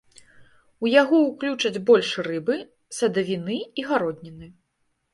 У яго ўключаць больш рыбы, садавіны і гародніны.